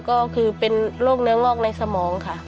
ก็คือเป็นโรคเนื้องอกในสมองค่ะ